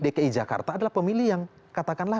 dki jakarta adalah pemilih yang katakanlah